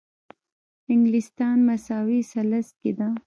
انګلستان مساوي ثلث کې ده.